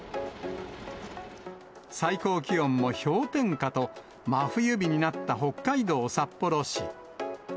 最高気温も氷点下と、真冬日になった北海道札幌市。